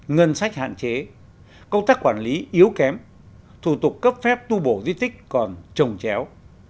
ngân sách hạn chế công tác quản lý yếu kém thủ tục cấp phép tu bổ di tích còn trồng chéo